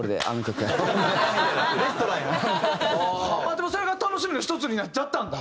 でもそれが楽しみの一つになっちゃったんだ？